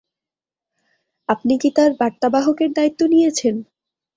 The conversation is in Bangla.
আপনি কি তার বার্তাবাহকের দায়িত্ব নিয়েছেন?